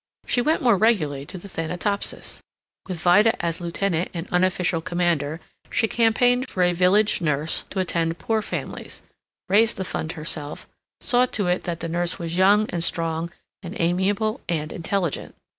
She went more regularly to the Thanatopsis. With Vida as lieutenant and unofficial commander she campaigned for a village nurse to attend poor families, raised the fund herself, saw to it that the nurse was young and strong and amiable and intelligent.